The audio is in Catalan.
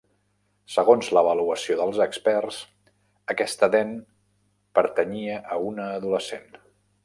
Segons l'avaluació dels experts, aquesta dent pertanyia a una adolescent.